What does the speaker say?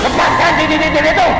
lepaskan di di di di itu